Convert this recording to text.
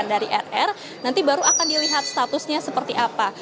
tim liputan kompas tv